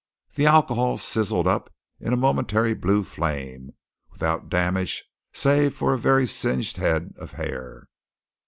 The alcohol sizzled up in a momentary blue flame, without damage save for a very singed head of hair.